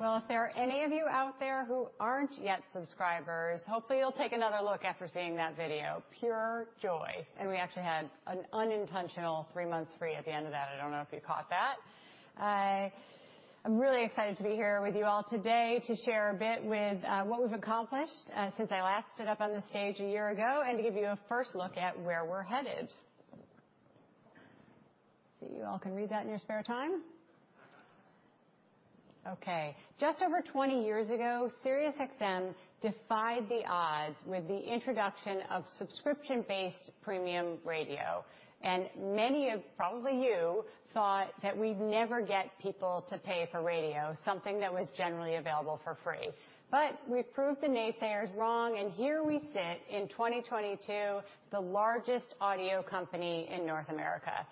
Well, if there are any of you out there who aren't yet subscribers, hopefully you'll take another look after seeing that video. Pure joy. We actually had an unintentional three months free at the end of that. I don't know if you caught that. I'm really excited to be here with you all today to share a bit with what we've accomplished since I last stood up on the stage a year ago, and to give you a first look at where we're headed. You all can read that in your spare time. Okay. Just over 20 years ago, SiriusXM defied the odds with the introduction of subscription-based premium radio. Many of probably you thought that we'd never get people to pay for radio, something that was generally available for free. We proved the naysayers wrong, and here we sit in 2022, the largest audio company in North America.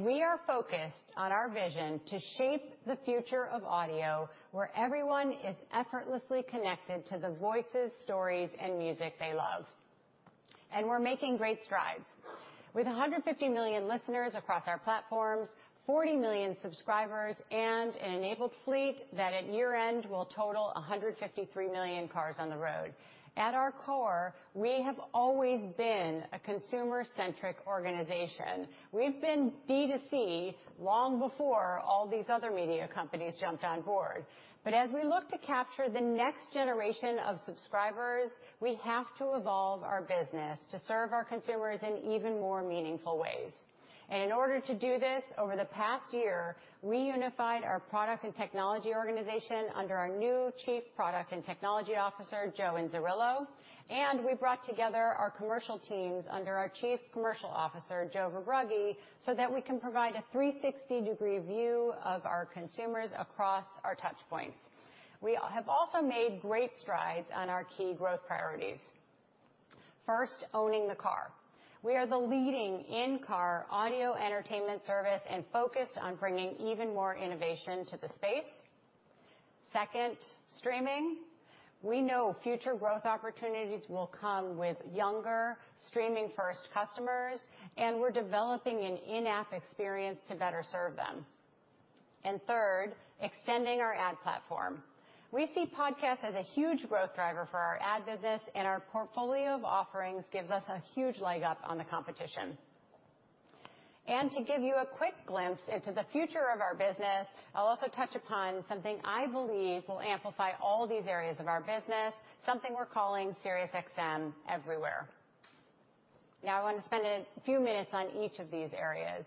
We are focused on our vision to shape the future of audio, where everyone is effortlessly connected to the voices, stories, and music they love. We're making great strides, with 150 million listeners across our platforms, 40 million subscribers, and an enabled fleet that at year-end will total 153 million cars on the road. At our core, we have always been a consumer-centric organization. We've been D2C long before all these other media companies jumped on board. As we look to capture the next generation of subscribers, we have to evolve our business to serve our consumers in even more meaningful ways. In order to do this, over the past year, we unified our product and technology organization under our new Chief Product and Technology Officer, Joe Inzerillo, and we brought together our commercial teams under our Chief Commercial Officer, Joe Verbrugge, so that we can provide a 360-degree view of our consumers across our touchpoints. We have also made great strides on our key growth priorities. First, owning the car. We are the leading in-car audio entertainment service and focused on bringing even more innovation to the space. Second, streaming. We know future growth opportunities will come with younger streaming-first customers, and we're developing an in-app experience to better serve them. Third, extending our ad platform. We see podcasts as a huge growth driver for our ad business, and our portfolio of offerings gives us a huge leg up on the competition. To give you a quick glimpse into the future of our business, I'll also touch upon something I believe will amplify all these areas of our business, something we're calling SiriusXM Everywhere. Now, I want to spend a few minutes on each of these areas.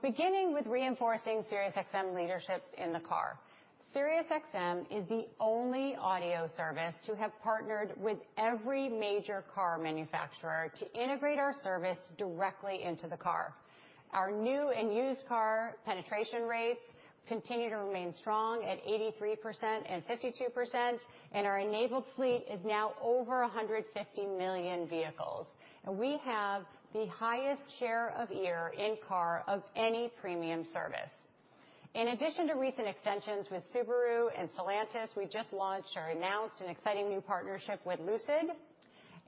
Beginning with reinforcing SiriusXM leadership in the car. SiriusXM is the only audio service to have partnered with every major car manufacturer to integrate our service directly into the car. Our new and used car penetration rates continue to remain strong at 83% and 52%, and our enabled fleet is now over 150 million vehicles. We have the highest share of ear in-car of any premium service. In addition to recent extensions with Subaru and Stellantis, we just launched or announced an exciting new partnership with Lucid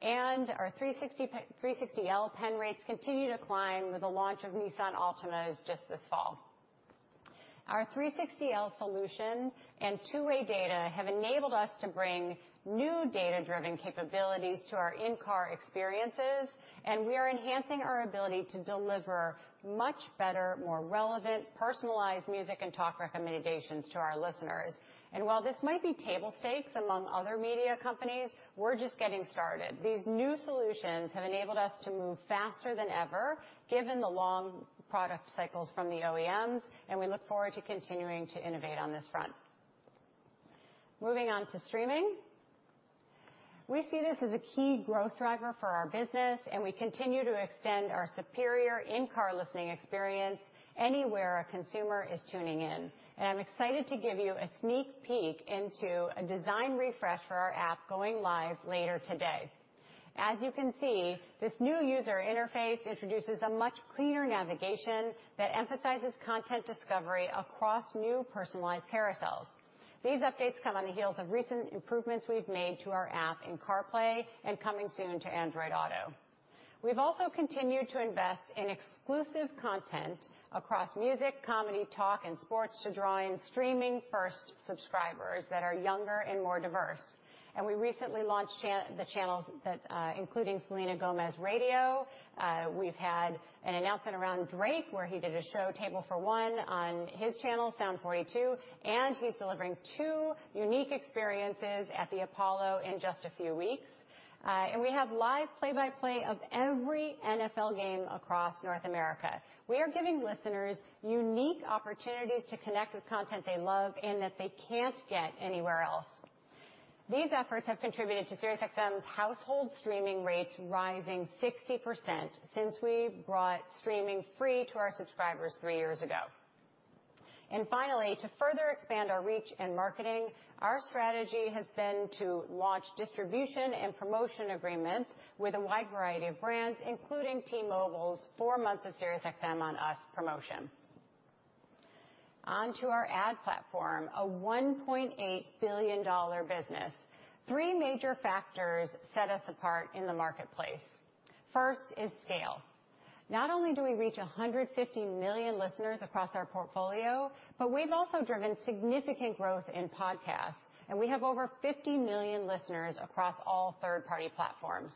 and our 360L pen rates continue to climb with the launch of Nissan Altima just this fall. Our 360L solution and two-way data have enabled us to bring new data-driven capabilities to our in-car experiences, and we are enhancing our ability to deliver much better, more relevant, personalized music and talk recommendations to our listeners. While this might be table stakes among other media companies, we're just getting started. These new solutions have enabled us to move faster than ever, given the long product cycles from the OEMs, and we look forward to continuing to innovate on this front. Moving on to streaming. We see this as a key growth driver for our business, and we continue to extend our superior in-car listening experience anywhere a consumer is tuning in. I'm excited to give you a sneak peek into a design refresh for our app going live later today. As you can see, this new user interface introduces a much cleaner navigation that emphasizes content discovery across new personalized carousels. These updates come on the heels of recent improvements we've made to our app in CarPlay and coming soon to Android Auto. We've also continued to invest in exclusive content across music, comedy, talk, and sports to draw in streaming-first subscribers that are younger and more diverse. We recently launched the channels including Selena Gomez Radio. We've had an announcement around Drake, where he did a show, Table For One on his channel, Sound 42, and he's delivering two unique experiences at the Apollo in just a few weeks. We have live play-by-play of every NFL game across North America. We are giving listeners unique opportunities to connect with content they love and that they can't get anywhere else. These efforts have contributed to SiriusXM's household streaming rates rising 60% since we brought streaming free to our subscribers three years ago. Finally, to further expand our reach and marketing, our strategy has been to launch distribution and promotion agreements with a wide variety of brands, including T-Mobile's four months of SiriusXM on us promotion. On to our ad platform, a $1.8 billion business. Three major factors set us apart in the marketplace. First is scale. Not only do we reach 150 million listeners across our portfolio, but we've also driven significant growth in podcasts, and we have over 50 million listeners across all third-party platforms.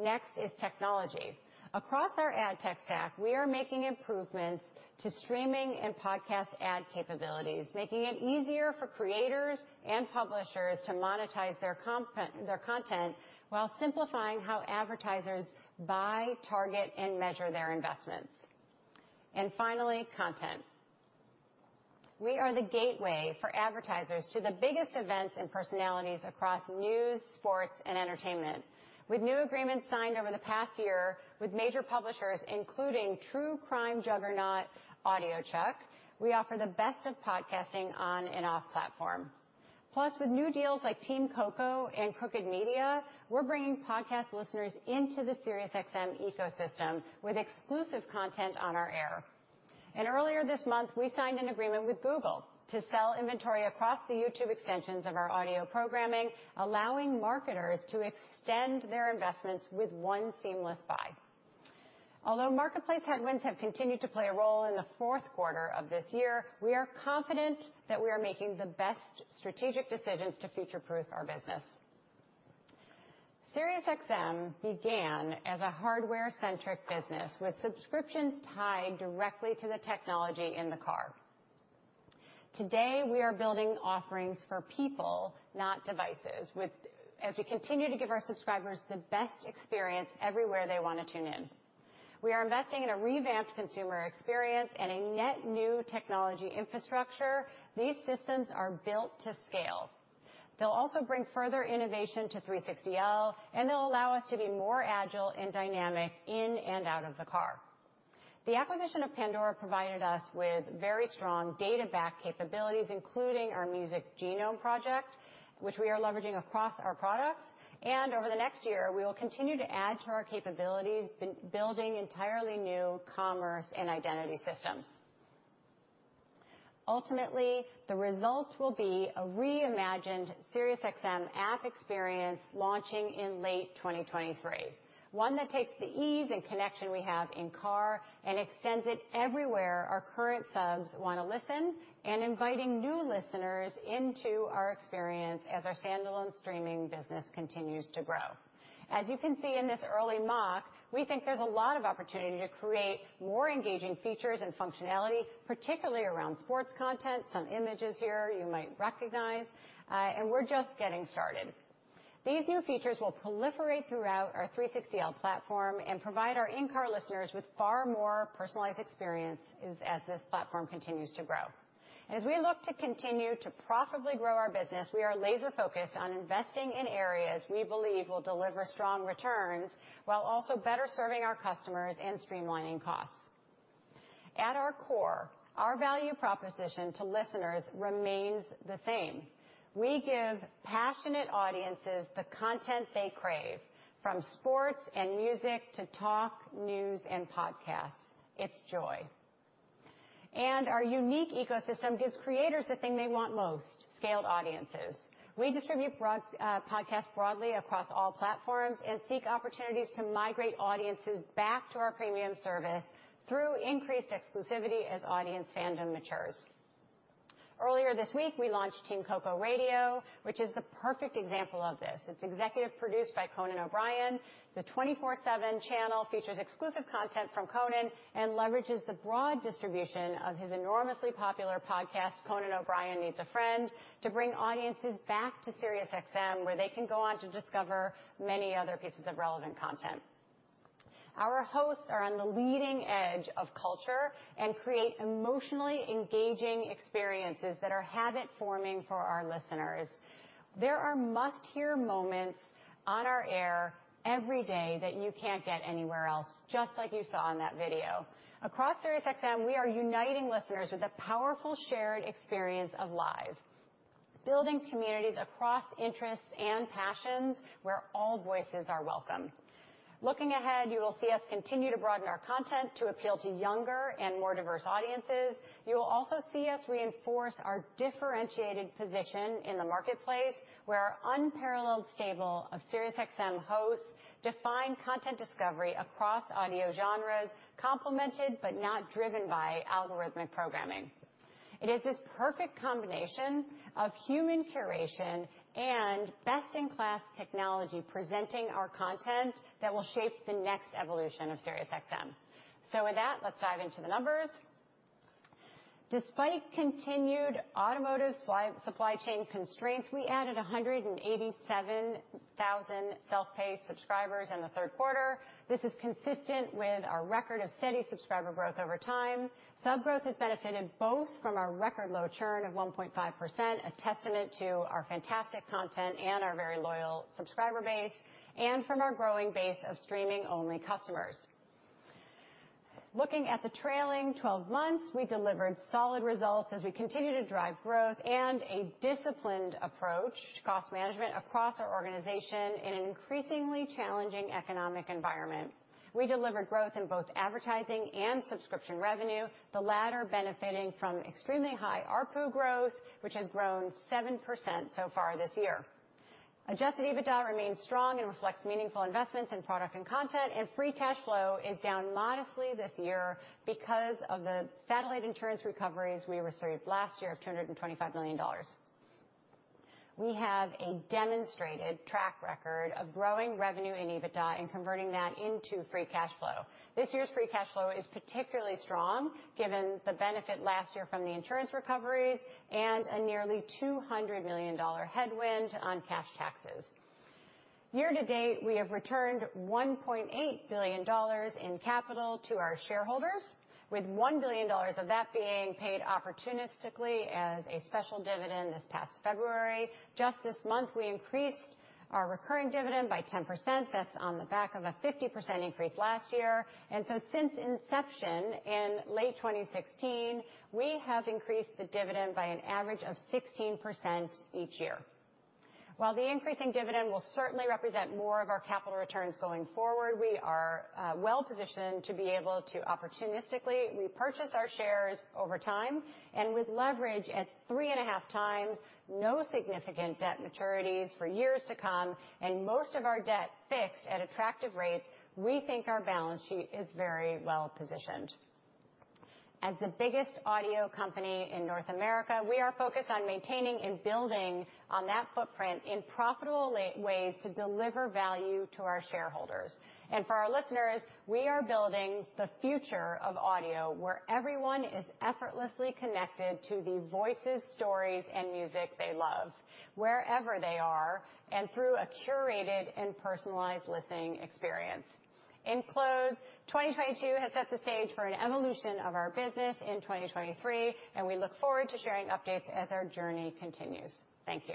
Next is technology. Across our ad tech stack, we are making improvements to streaming and podcast ad capabilities, making it easier for creators and publishers to monetize their content while simplifying how advertisers buy, target, and measure their investments. Finally, content. We are the gateway for advertisers to the biggest events and personalities across news, sports, and entertainment. With new agreements signed over the past year with major publishers, including true crime juggernaut Audiochuck, we offer the best of podcasting on and off platform. Plus, with new deals like Team Coco and Crooked Media, we're bringing podcast listeners into the SiriusXM ecosystem with exclusive content on our air. Earlier this month, we signed an agreement with Google to sell inventory across the YouTube extensions of our audio programming, allowing marketers to extend their investments with one seamless buy. Although marketplace headwinds have continued to play a role in the fourth quarter of this year, we are confident that we are making the best strategic decisions to future-proof our business. SiriusXM began as a hardware-centric business with subscriptions tied directly to the technology in the car. Today, we are building offerings for people, not devices, as we continue to give our subscribers the best experience everywhere they wanna tune in. We are investing in a revamped consumer experience and a net new technology infrastructure. These systems are built to scale. They'll also bring further innovation to 360L, and they'll allow us to be more agile and dynamic in and out of the car. The acquisition of Pandora provided us with very strong data-back capabilities, including our Music Genome Project, which we are leveraging across our products. Over the next year, we will continue to add to our capabilities, building entirely new commerce and identity systems. Ultimately, the results will be a reimagined SiriusXM app experience launching in late 2023. One that takes the ease and connection we have in-car and extends it everywhere our current subs wanna listen and inviting new listeners into our experience as our standalone streaming business continues to grow. As you can see in this early mock, we think there's a lot of opportunity to create more engaging features and functionality, particularly around sports content. Some images here you might recognize, and we're just getting started. These new features will proliferate throughout our 360L platform and provide our in-car listeners with far more personalized experiences as this platform continues to grow. As we look to continue to profitably grow our business, we are laser-focused on investing in areas we believe will deliver strong returns while also better serving our customers and streamlining costs. At our core, our value proposition to listeners remains the same. We give passionate audiences the content they crave, from sports and music to talk, news, and podcasts. It's joy. Our unique ecosystem gives creators the thing they want most, scaled audiences. We distribute podcasts broadly across all platforms and seek opportunities to migrate audiences back to our premium service through increased exclusivity as audience fandom matures. Earlier this week, we launched Team Coco Radio, which is the perfect example of this. It's executive produced by Conan O'Brien. The 24/7 channel features exclusive content from Conan and leverages the broad distribution of his enormously popular podcast, Conan O'Brien Needs a Friend, to bring audiences back to SiriusXM, where they can go on to discover many other pieces of relevant content. Our hosts are on the leading edge of culture and create emotionally engaging experiences that are habit-forming for our listeners. There are must-hear moments on our air every day that you can't get anywhere else, just like you saw in that video. Across SiriusXM, we are uniting listeners with a powerful shared experience of live, building communities across interests and passions where all voices are welcome. Looking ahead, you will see us continue to broaden our content to appeal to younger and more diverse audiences. You will also see us reinforce our differentiated position in the marketplace, where our unparalleled stable of SiriusXM hosts define content discovery across audio genres, complemented but not driven by algorithmic programming. It is this perfect combination of human curation and best-in-class technology presenting our content that will shape the next evolution of SiriusXM. With that, let's dive into the numbers. Despite continued automotive supply chain constraints, we added 187,000 self-pay subscribers in the third quarter. This is consistent with our record of steady subscriber growth over time. Sub growth has benefited both from our record low churn of 1.5%, a testament to our fantastic content and our very loyal subscriber base, and from our growing base of streaming-only customers. Looking at the trailing 12 months, we delivered solid results as we continue to drive growth and a disciplined approach to cost management across our organization in an increasingly challenging economic environment. We delivered growth in both advertising and subscription revenue, the latter benefiting from extremely high ARPU growth, which has grown 7% so far this year. Adjusted EBITDA remains strong and reflects meaningful investments in product and content, and free cash flow is down modestly this year because of the satellite insurance recoveries we received last year of $225 million. We have a demonstrated track record of growing revenue and EBITDA and converting that into free cash flow. This year's free cash flow is particularly strong given the benefit last year from the insurance recoveries and a nearly $200 million headwind on cash taxes. Year-to-date, we have returned $1.8 billion in capital to our shareholders, with $1 billion of that being paid opportunistically as a special dividend this past February. Just this month, we increased our recurring dividend by 10%. That's on the back of a 50% increase last year. Since inception in late 2016, we have increased the dividend by an average of 16% each year. While the increase in dividend will certainly represent more of our capital returns going forward, we are well-positioned to be able to opportunistically repurchase our shares over time and with leverage at 3.5x, no significant debt maturities for years to come, and most of our debt fixed at attractive rates, we think our balance sheet is very well-positioned. As the biggest audio company in North America, we are focused on maintaining and building on that footprint in profitable ways to deliver value to our shareholders. For our listeners, we are building the future of audio, where everyone is effortlessly connected to the voices, stories, and music they love, wherever they are, and through a curated and personalized listening experience. In close, 2022 has set the stage for an evolution of our business in 2023, and we look forward to sharing updates as our journey continues. Thank you.